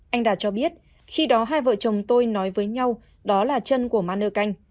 anh đạt cho biết khi đó hai vợ chồng tôi nói với nhau đó là chân của maner canh